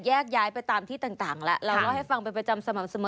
แยกย้ายไปตามที่ต่างแล้วเราเล่าให้ฟังเป็นประจำสม่ำเสมอ